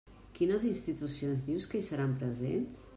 Quines institucions dius que hi seran presents?